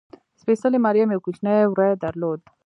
سپېڅلې مریم یو کوچنی وری درلود.